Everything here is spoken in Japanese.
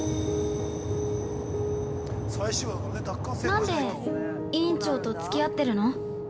◆何で委員長とつき合ってるの？